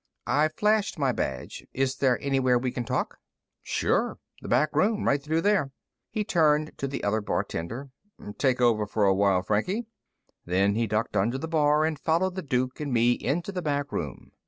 I flashed my badge. "Is there anywhere we can talk?" "Sure. The back room, right through there." He turned to the other bartender. "Take over for a while, Frankie." Then he ducked under the bar and followed the Duke and me into the back room.